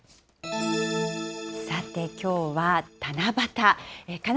さて、きょうは七夕。